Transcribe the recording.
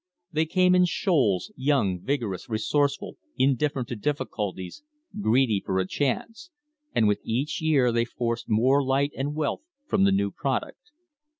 They came in shoals, young, vigorous, resourceful, indifferent to difficulties, greedy for a chance, and with each year they forced more light and wealth from the new product.